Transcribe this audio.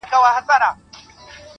په داسي خوب ویده دی چي راویښ به نه سي.